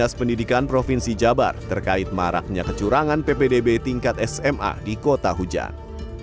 dinas pendidikan provinsi jabar terkait maraknya kecurangan ppdb tingkat sma di kota hujan